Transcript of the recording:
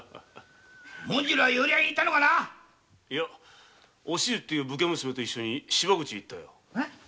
紋次郎は寄り合いに行ったのかいやお静という武家の娘と芝口へ行ったよ。